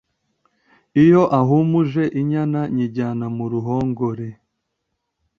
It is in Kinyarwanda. iyo ahumuje inyana nyijyana mu ruhongore